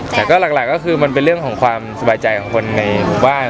แต่ก็หลักก็คือมันเป็นเรื่องของความสบายใจของคนในหมู่บ้าน